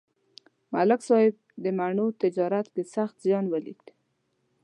ملک صاحب د مڼو تجارت کې سخت زیان ولید.